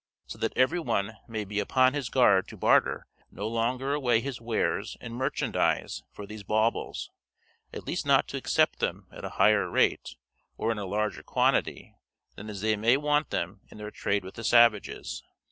So that every one may be upon his guard to barter no longer away his wares and merchandise for these baubles; at least not to accept them at a higher rate, or in a larger quantity, than as they may want them in their trade with the savages.